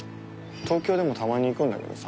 東京でもたまに行くんだけどさ。